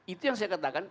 itu yang saya katakan